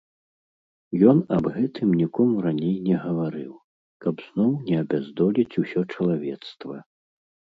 Ён аб гэтым нікому раней не гаварыў, каб зноў не абяздоліць усё чалавецтва.